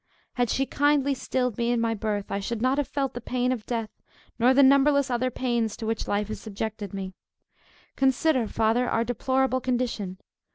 Had she kindly stilled me in my birth, I should not have felt the pain of death, nor the numberless other pains to which life has subjected me. Consider, Father, our deplorable condition.